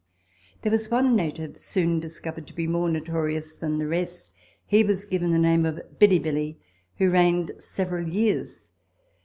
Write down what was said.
There was one native soon discovered to be more notorious than the rest. He was given the name of Billy Billy, who reigned several years.